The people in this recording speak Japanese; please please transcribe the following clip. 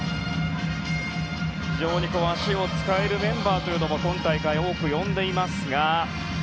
非常に足を使えるメンバーというのも多く呼んでいますが。